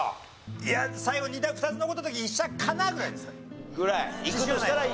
いや最後２択２つ残った時「医者かな？」ぐらいです。ぐらい。